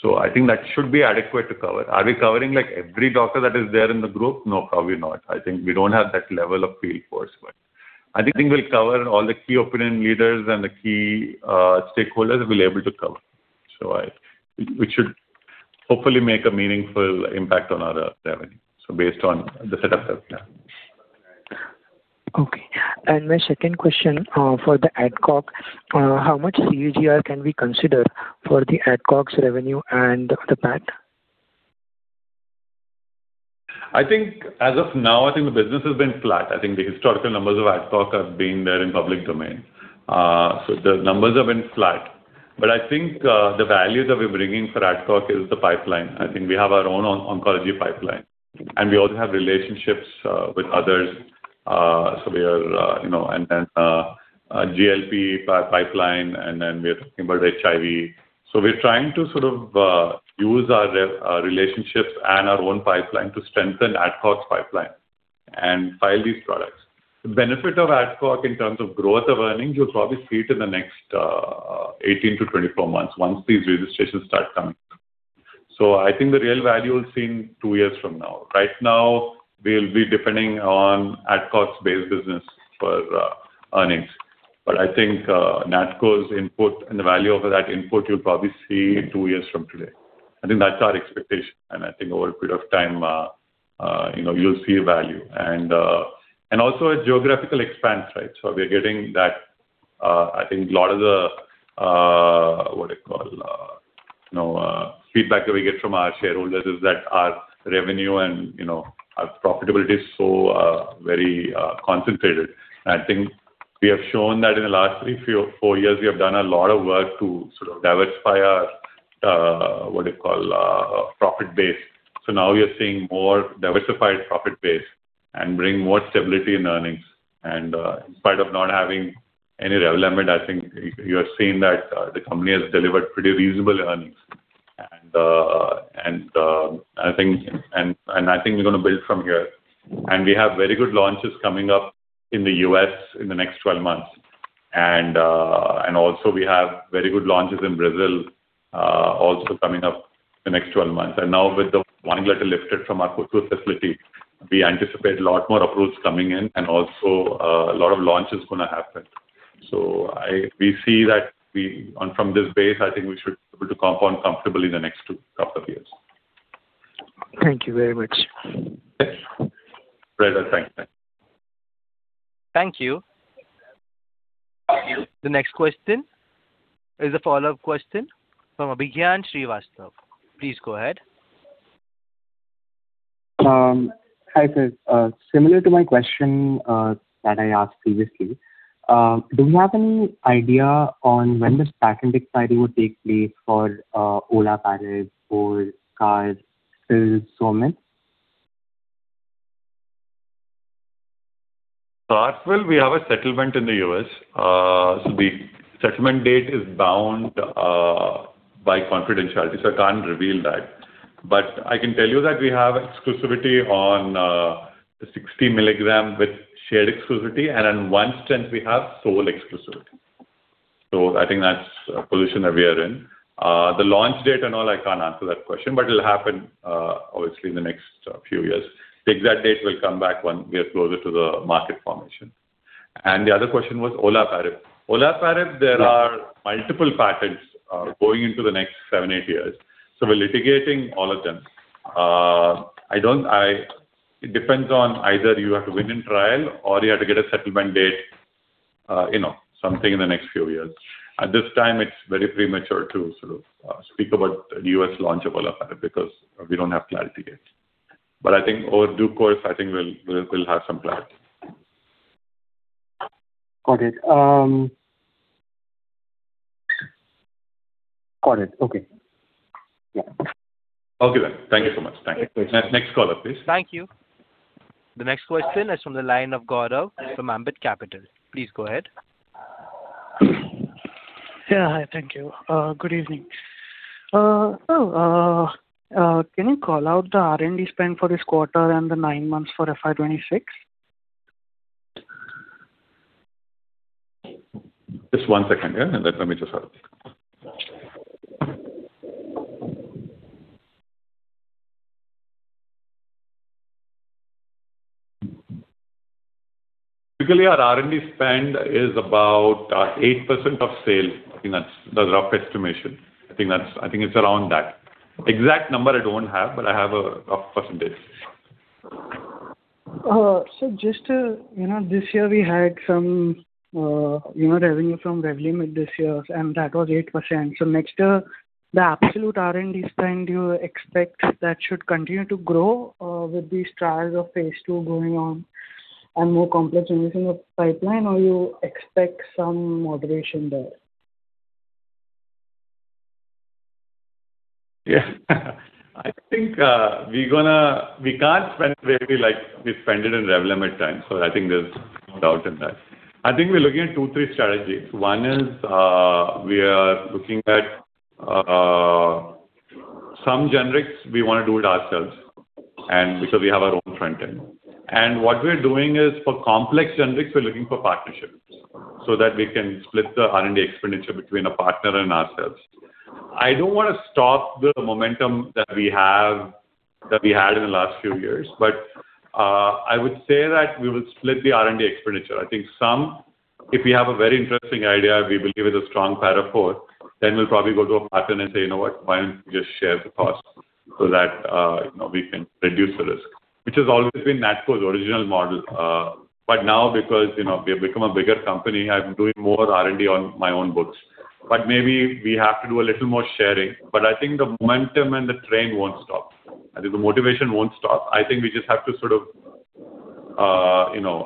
So I think that should be adequate to cover. Are we covering, like, every doctor that is there in the group? No, probably not. I think we don't have that level of field force, but I think we'll cover all the key opinion leaders and the key stakeholders, we'll be able to cover. So we should hopefully make a meaningful impact on our revenue, so based on the setup that we have. Okay. And my second question for the Adcock, how much CAGR can we consider for the Adcock's revenue and the PAT? I think as of now, I think the business has been flat. I think the historical numbers of Adcock have been there in public domain. So the numbers have been flat, but I think the value that we're bringing for Adcock is the pipeline. I think we have our own oncology pipeline, and we also have relationships with others. So we are, you know, and then a GLP pipeline, and then we are talking about HIV. So we're trying to sort of use our relationships and our own pipeline to strengthen Adcock's pipeline and file these products. The benefit of Adcock in terms of growth of earnings, you'll probably see it in the next 18-24 months, once these registrations start coming through. So I think the real value is seen 2 years from now. Right now, we'll be depending on Adcock's base business for earnings. But I think Natco's input and the value of that input, you'll probably see two years from today. I think that's our expectation, and I think over a period of time, you know, you'll see a value and also a geographical expanse, right? So we are getting that. I think a lot of the what I call, you know, feedback that we get from our shareholders is that our revenue and, you know, our profitability is so very concentrated. And I think we have shown that in the last three or four years, we have done a lot of work to sort of diversify our what you call profit base. So now we are seeing more diversified profit base and bring more stability in earnings. And in spite of not having any Revlimid, I think you have seen that the company has delivered pretty reasonable earnings. And I think we're going to build from here. And we have very good launches coming up in the U.S. in the next 12 months. And also we have very good launches in Brazil also coming up the next 12 months. And now with the warning letter lifted from our Kothur facility, we anticipate a lot more approvals coming in and also a lot of launches going to happen. So we see that we, on from this base, I think we should be able to compound comfortably in the next 2, couple of years. Thank you very much. Yes. Great, thank you. Thank you. The next question is a follow-up question from Abhigyan Srivastav. Please go ahead. Hi, sir. Similar to my question that I asked previously, do you have any idea on when this patent expiry would take place for Olaparib for capsules, pills, so on? So as well, we have a settlement in the U.S. So the settlement date is bound by confidentiality, so I can't reveal that. But I can tell you that we have exclusivity on the 60 milligram with shared exclusivity, and on one stent we have sole exclusivity. So I think that's a position that we are in. The launch date and all, I can't answer that question, but it'll happen obviously, in the next few years. The exact date will come back when we are closer to the market formation. And the other question was Olaparib. Olaparib, there are multiple patents going into the next 7-8 years, so we're litigating all of them. I don't. It depends on either you have to win in trial or you have to get a settlement date, you know, something in the next few years. At this time, it's very premature to sort of speak about the U.S. launch of Olaparib because we don't have clarity yet. But I think in due course, I think we'll have some clarity. Got it. Got it. Okay. Yeah. Okay, then. Thank you so much. Thank you. Next caller, please. Thank you. The next question is from the line of Gaurav from Ambit Capital. Please go ahead. Yeah. Hi, thank you. Good evening. So, can you call out the R&D spend for this quarter and the nine months for FY 2026? Just one second, yeah, and let me just... Typically, our R&D spend is about 8% of sales. I think that's the rough estimation. I think that's, I think it's around that. Exact number, I don't have, but I have a rough percentage. So just to, you know, this year we had some, you know, revenue from Revlimid this year, and that was 8%. So next, the absolute R&D spend, do you expect that should continue to grow, with these trials of phase two going on and more complex innovation of pipeline, or you expect some moderation there? Yeah. I think, we're gonna, we can't spend really like we spent it in Revlimid time, so I think there's no doubt in that. I think we're looking at two, three strategies. One is, we are looking at, some generics, we want to do it ourselves, and because we have our own front end. And what we're doing is for complex generics, we're looking for partnerships, so that we can split the R&D expenditure between a partner and ourselves. I don't want to stop the momentum that we have, that we had in the last few years, but, I would say that we will split the R&D expenditure. I think some, if we have a very interesting idea, we will give it a strong Para IV, then we'll probably go to a partner and say, "You know what? Why don't we just share the cost so that, you know, we can reduce the risk," which has always been Natco's original model. But now, because, you know, we've become a bigger company, I'm doing more R&D on my own books, but maybe we have to do a little more sharing, but I think the momentum and the trend won't stop. I think the motivation won't stop. I think we just have to sort of, you know,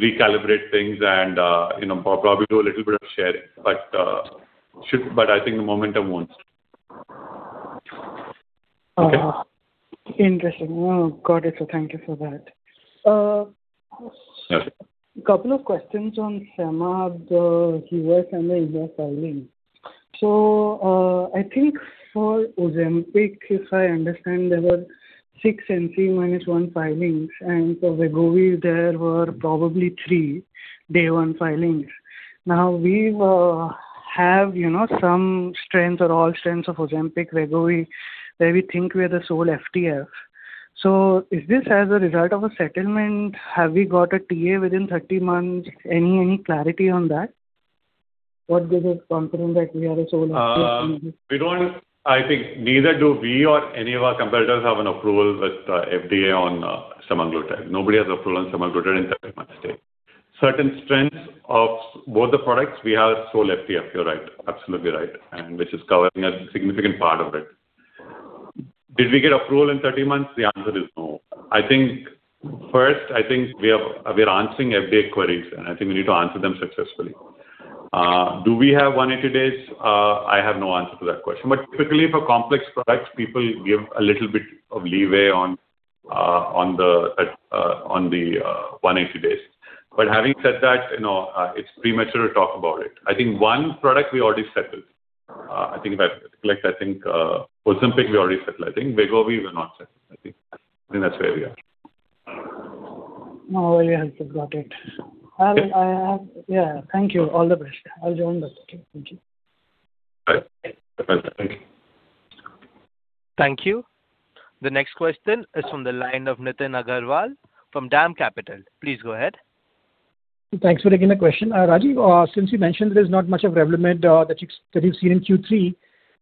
recalibrate things and, you know, probably do a little bit of sharing, but. But I think the momentum won't stop. Interesting. Got it. Thank you for that. Okay. Couple of questions on SEMA, the U.S. and the India filing. So, I think for Ozempic, if I understand, there were 6 NCE-1 filings, and for Wegovy, there were probably three day one filings. Now, we have, you know, some strengths or all strengths of Ozempic, Wegovy, where we think we are the sole FTF. So is this as a result of a settlement? Have we got a TA within 30 months? Any clarity on that? What gives us confidence that we are a sole FTF? We don't. I think neither do we or any of our competitors have an approval with FDA on semaglutide. Nobody has approval on semaglutide in 30 months date. Certain strengths of both the products, we have sole FTF, you're right. Absolutely right, and which is covering a significant part of it. Did we get approval in 30 months? The answer is no. I think, first, I think we have-- we're answering FDA queries, and I think we need to answer them successfully. Do we have 180 days? I have no answer to that question. But typically, for complex products, people give a little bit of leeway on the 180 days. But having said that, you know, it's premature to talk about it. I think one product we already settled. I think if I collect, I think, Ozempic, we already settled. I think Wegovy, we're not settled. I think, I think that's where we are. No, well, yeah, I got it. I'll, I, yeah, thank you. All the best. I'll join the team. Thank you. Bye. Thank you. Thank you. The next question is from the line of Nitin Agarwal from DAM Capital. Please go ahead. Thanks for taking the question. Rajeev, since you mentioned there's not much of development, that you, that you've seen in Q3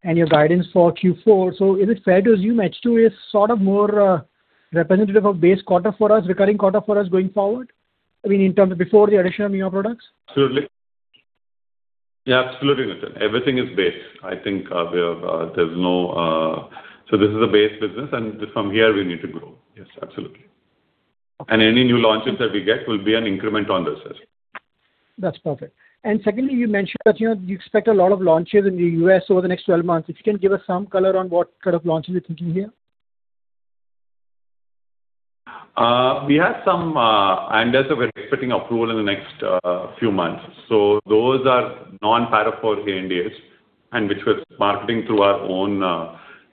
and your guidance for Q4, so is it fair to assume H2 is sort of more representative of base quarter for us, recurring quarter for us going forward? I mean, in terms of before the addition of new products. Absolutely. Yeah, absolutely, Nitin. Everything is base. I think, we have, there's no... So this is a base business, and from here we need to grow. Yes, absolutely. Okay. Any new launches that we get will be an increment on this as well. That's perfect. And secondly, you mentioned that, you know, you expect a lot of launches in the U.S. over the next 12 months. If you can give us some color on what kind of launches you're thinking here? We have some, and as we're expecting approval in the next few months. So those are non-partners, which we're marketing through our own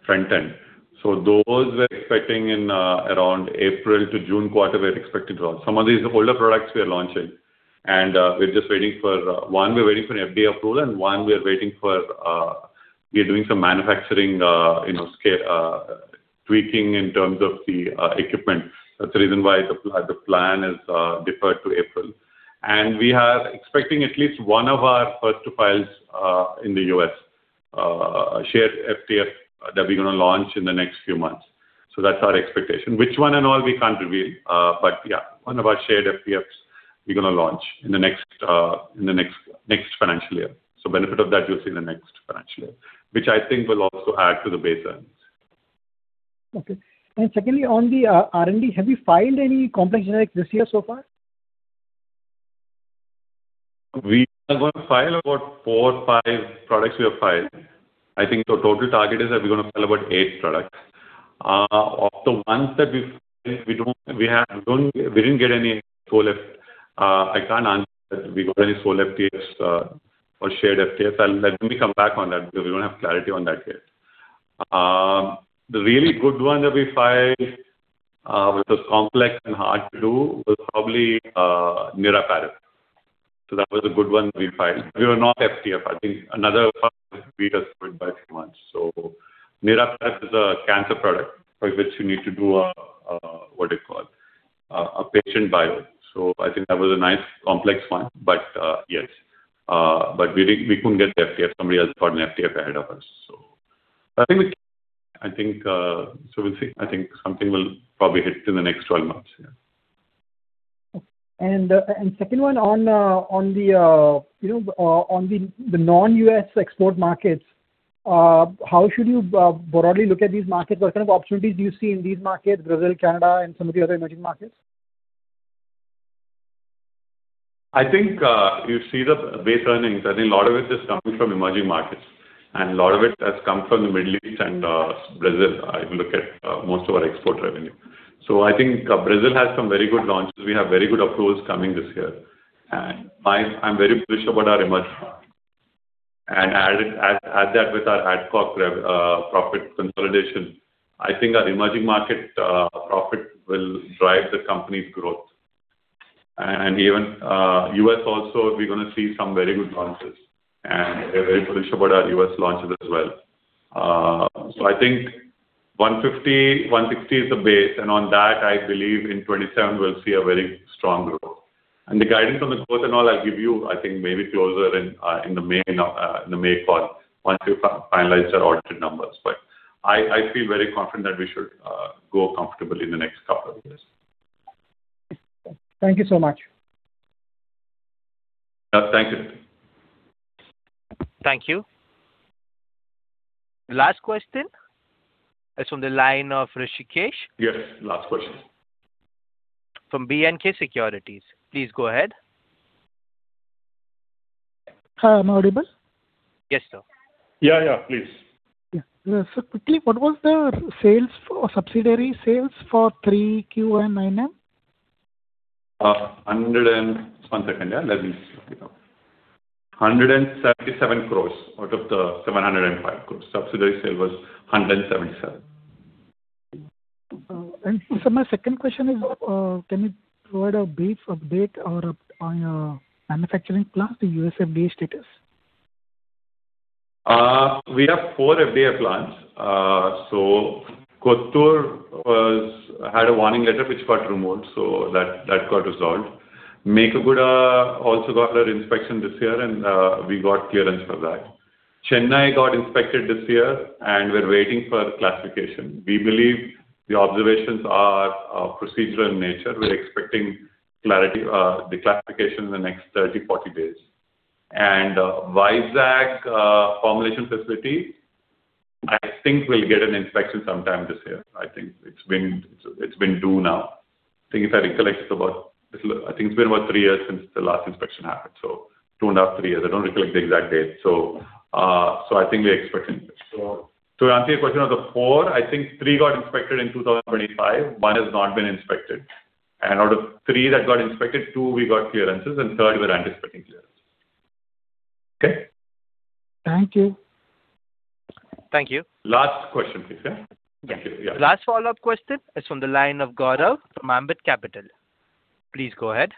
front end. So those we're expecting in around April to June quarter, we're expecting to launch. Some of these, the older products we are launching, and we're just waiting for one, we're waiting for an FDA approval, and one we are waiting for, we are doing some manufacturing, you know, scale tweaking in terms of the equipment. That's the reason why the plan is deferred to April. And we are expecting at least one of our first-to-files in the US, a shared FTF that we're gonna launch in the next few months. So that's our expectation. Which one and all we can't reveal, but yeah, one of our shared FTFs, we're gonna launch in the next financial year. So benefit of that, you'll see in the next financial year, which I think will also add to the base earnings. Okay. And secondly, on the R&D, have you filed any complex generics this year so far? We are going to file about four or five products we have filed. I think the total target is that we're gonna file about eight products. Of the ones that we've filed, we didn't get any sole FTFs. I can't answer that. We got any sole FTFs or shared FTFs. Let me come back on that because we don't have clarity on that yet. The really good one that we filed, which was complex and hard to do, was probably Niraparib. So that was a good one we filed. We were not FTF. I think another beat us by a few months. So Niraparib is a cancer product for which you need to do a, what do you call it? A patient bio. So I think that was a nice complex one, but yes. But we didn't, we couldn't get the FTF, somebody else got an FTF ahead of us, so. I think, so we'll see, I think something will probably hit in the next 12 months. Yeah. Second one on the non-US export markets, you know, how should you broadly look at these markets? What kind of opportunities do you see in these markets, Brazil, Canada, and some of the other emerging markets? I think you see the base earnings. I think a lot of it is coming from emerging markets, and a lot of it has come from the Middle East and Brazil, if you look at most of our export revenue. So I think Brazil has some very good launches. We have very good approvals coming this year, and I'm very bullish about our emerging markets. And add that with our Adcock rev profit consolidation, I think our emerging market profit will drive the company's growth. And even US also, we're gonna see some very good launches, and we're very bullish about our US launches as well. So I think 150-160 is the base, and on that, I believe in 2027 we'll see a very strong growth. The guidance on the growth and all, I'll give you, I think, maybe closer in, in the May call, once we finalize our audited numbers. I feel very confident that we should grow comfortably in the next couple of years. Thank you so much. Thank you, Nitin. Thank you. Last question is from the line of Hrishikesh. Yes, last question. From B&K Securities. Please go ahead. Hi, am I audible? Yes, sir. Yeah, yeah, please. Yeah. So quickly, what was the sales or subsidiary sales for 3Q and 9M? One second, yeah, let me see. 177 crore out of the 705 crore. Subsidiary sale was 177 crore. My second question is, can you provide a brief update on your manufacturing plant, the US FDA status? We have four FDA plants. So Kothur had a warning letter which got removed, so that got resolved. Mekaguda also got their inspection this year, and we got clearance for that. Chennai got inspected this year, and we're waiting for classification. We believe the observations are procedural in nature. We're expecting clarity, declassification in the next 30, 40 days. Vizag formulation facility, I think we'll get an inspection sometime this year. I think it's been due now. I think, if I recollect, it's about. I think it's been about three years since the last inspection happened, so 2.5 years, three years. I don't recollect the exact date. So I think we're expecting. So to answer your question, of the four, I think three got inspected in 2025. One has not been inspected, and out of three that got inspected, two, we got clearances, and third, we're anticipating clearance. Okay? Thank you. Thank you. Last question, please, yeah? Yeah. Thank you. Yeah. Last follow-up question is from the line of Gaurav from Ambit Capital. Please go ahead.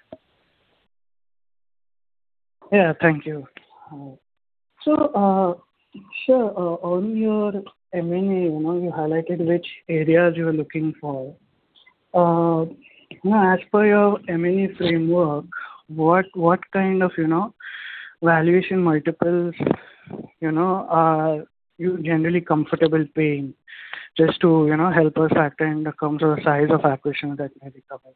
Yeah, thank you. So, sir, on your M&A, you know, you highlighted which areas you are looking for. You know, as per your M&A framework, what, what kind of, you know, valuation multiples, you know, are you generally comfortable paying just to, you know, help us factor in the terms of the size of acquisition that may be covered?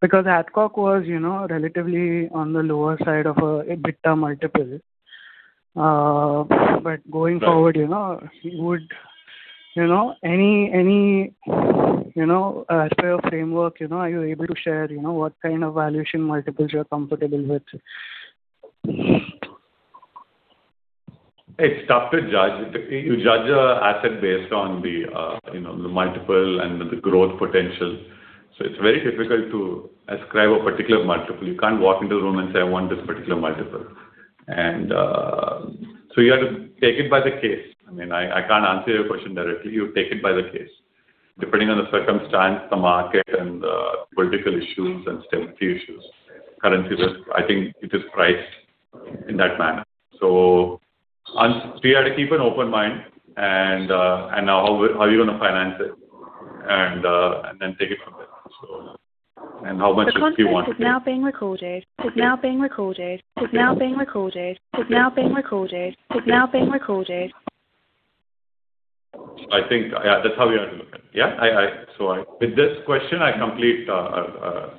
Because Adcock was, you know, relatively on the lower side of a EBITDA multiple. But going forward, you know, would, you know, any, any, you know, as per your framework, you know, are you able to share, you know, what kind of valuation multiples you are comfortable with? It's tough to judge. You judge an asset based on the, you know, the multiple and the growth potential. So it's very difficult to ascribe a particular multiple. You can't walk into a room and say, "I want this particular multiple." And so you have to take it by the case. I mean, I can't answer your question directly. You take it by the case. Depending on the circumstance, the market and the political issues and stability issues, currency risk, I think it is priced in that manner. So we have to keep an open mind and how are you going to finance it? And then take it from there. So, and how much does he want- The conference is now being recorded. Is now being recorded. Is now being recorded. Is now being recorded. Is now being recorded. I think, yeah, that's how we are going to look at it. Yeah, I. So with this question, I complete our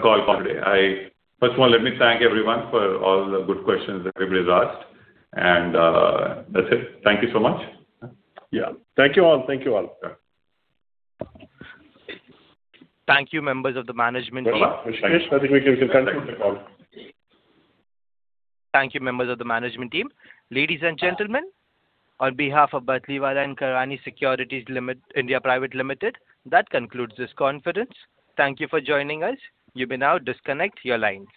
call today. I, first of all, let me thank everyone for all the good questions that everybody's asked, and that's it. Thank you so much. Yeah. Thank you, all. Thank you, all. Yeah. Thank you, members of the management team. I think we can conclude the call. Thank you, members of the management team. Ladies and gentlemen, on behalf of Batlivala & Karani Securities India Pvt. Ltd., that concludes this conference. Thank you for joining us. You may now disconnect your lines.